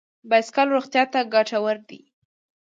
بایسکل روغتیا ته ګټور دی.